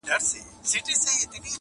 o نيت و مراد!